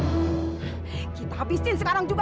hai kita habisin sekarang juga